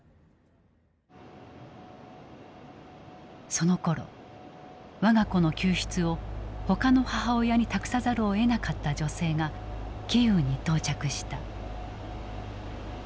そのころ我が子の救出をほかの母親に託さざるをえなかった女性がキーウに到着した。